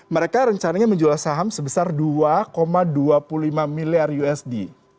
mereka rencananya menjual saham sebesar dua dua puluh lima miliar usd